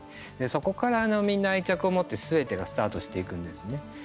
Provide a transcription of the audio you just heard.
そこからみんな愛着を持ってすべてがスタートしていくんですね。